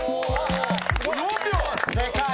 でかい！